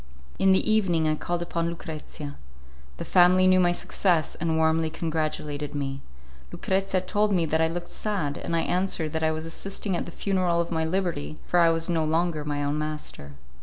In the evening I called upon Lucrezia. The family knew my success, and warmly congratulated me. Lucrezia told me that I looked sad, and I answered that I was assisting at the funeral of my liberty, for I was no longer my own master.